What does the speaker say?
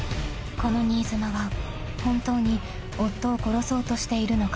［この新妻は本当に夫を殺そうとしているのか？］